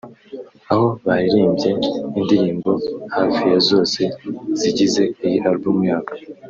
aho baririmbye indirimbo hafi ya zose zigize iyi album yabo